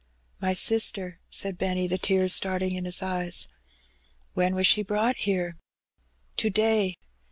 "My sister," said Benny, the tears starting in his eyes. "When was she brought here?" "To day.